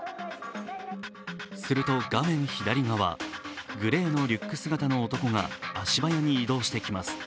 すると画面左側、グレーのリュック姿の男が足早に移動してきます